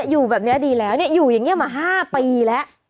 อยู่อย่างเนี้ยมาห้าปีแล้ว